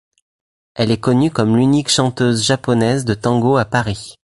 Elle est connue comme l'unique chanteuse japonaise de tango à Paris.